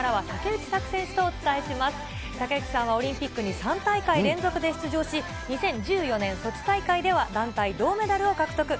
竹内さんはオリンピックに３大会連続で出場し、２０１４年ソチ大会では、団体銅メダルを獲得。